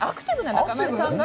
中丸さんが？